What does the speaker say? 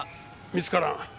見つからん。